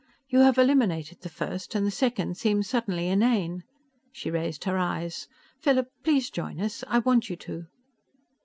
You have eliminated the first, and the second seems suddenly inane." She raised her eyes. "Philip, please join us. I want you to."